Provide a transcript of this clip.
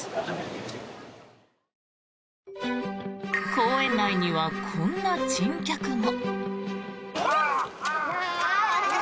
公園内には、こんな珍客も。